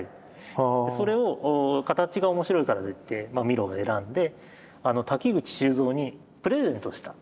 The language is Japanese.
それを形が面白いからといってミロが選んで瀧口修造にプレゼントした。